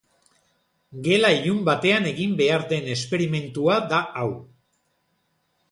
Gela ilun batean egin behar den esperimentua da hau.